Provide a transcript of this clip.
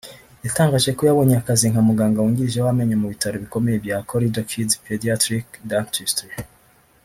yatangaje ko yabonye akazi nka muganga wungirije w’amenyo mu bitaro bikomeye bya Corridor Kids Pediatric Dentistry